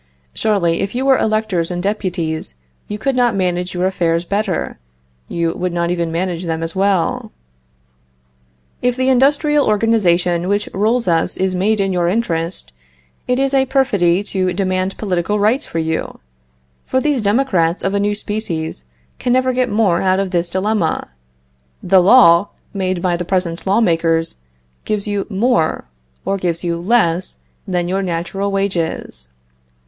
Surely, if you were electors and deputies, you could not manage your affairs better; you would not even manage them as well. If the industrial organization which rules us is made in your interest, it is a perfidy to demand political rights for you; for these democrats of a new species can never get out of this dilemma; the law, made by the present law makers, gives you more, or gives you less, than your natural wages.